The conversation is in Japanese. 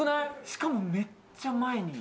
しかもめっちゃ前に。